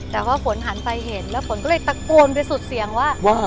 แต่ว่าผลหาไปเห็นแล้วผมก็เลยตะโกนเป็นสุดเสียงว่ะว่ะ